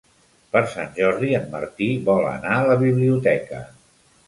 Per Sant Jordi en Martí vol anar a la biblioteca.